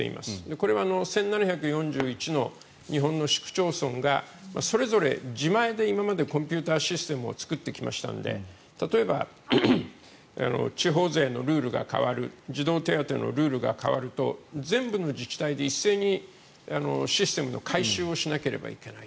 これは１７４１の日本の市区町村がそれぞれ自前で今までコンピューターシステムを作ってきましたので例えば、地方税のルールが変わる児童手当のルールが変わると全部の自治体で一斉にシステムの改修をしなければいけない。